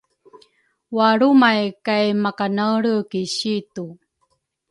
walrumay kay makanaelre ki situ.